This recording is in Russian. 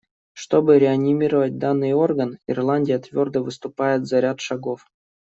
Чтобы реанимировать данный орган, Ирландия твердо выступает за ряд шагов.